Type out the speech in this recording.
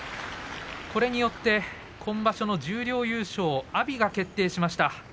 これによって今場所の十両優勝阿炎が決定しました。